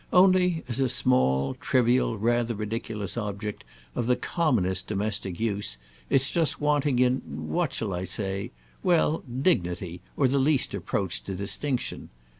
Only, as a small, trivial, rather ridiculous object of the commonest domestic use, it's just wanting in—what shall I say? Well, dignity, or the least approach to distinction.